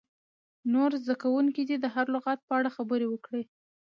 نور زده کوونکي دې د هر لغت په اړه خبرې وکړي.